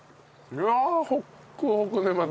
うわホックホクでまた。